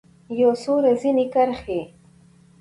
یو څو رزیني کرښې